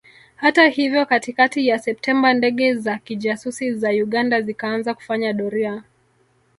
Hata hivyo katikakati ya Septemba ndege za kijasusi za Uganda zikaanza kufanya doria